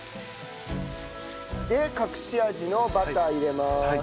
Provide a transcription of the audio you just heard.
で隠し味のバター入れます。